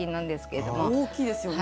大きいですよね。